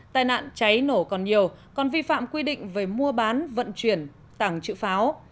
tai nạn cháy nổ còn nhiều còn vi phạm quy định về mua bán vận chuyển tảng trự pháo